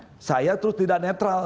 karena saya terus tidak netral